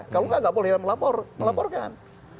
kalau enggak nggak boleh melaporkan